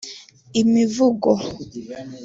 Imivugo